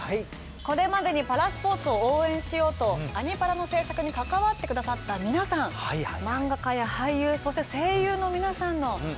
これまでにパラスポーツを応援しようと「アニ×パラ」の制作に関わって下さった皆さん漫画家や俳優そして声優の皆さんの色紙がたっぷりと。